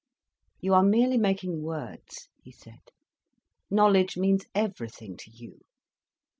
"You are merely making words," he said; "knowledge means everything to you.